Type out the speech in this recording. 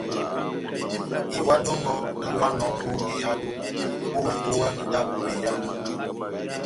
Iwa dɔngɔ dáháwanɔ ó ehádo, omatowa ida ó mbeyá.